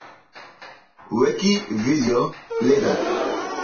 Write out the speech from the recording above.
Wekî vîdeo lêde.